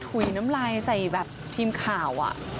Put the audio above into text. ุยน้ำลายใส่แบบทีมข่าว